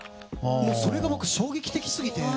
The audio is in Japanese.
それが僕、衝撃的すぎて。